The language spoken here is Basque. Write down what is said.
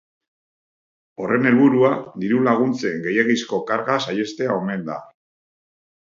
Horren helburua diru-laguntzen gehiegizko karga saihestea omen da.